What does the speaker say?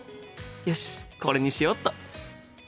よしこれにしよっと！